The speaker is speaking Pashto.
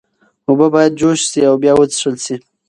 اوبه باید جوش شي او بیا وڅښل شي.